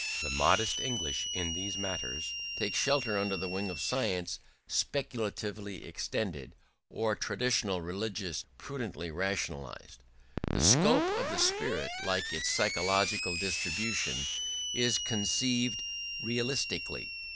The modest English in these matters take shelter under the wing of science speculatively extended, or traditional religion prudently rationalised: the scope of the spirit, like its psychological distribution, is conceived realistically.